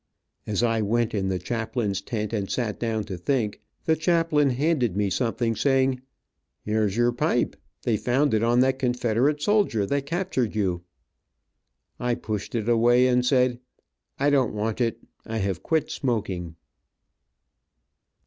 As I went in the chaplain's tent and sat down to think, the chaplain handed me something, saying: "Here's your pipe. They found it on that Confederate soldier that captured you." I pushed it away and said, "I don't want it. I have quit smoking."